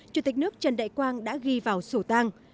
chủ tịch nước trần đại quang đã ghi vào sổ tang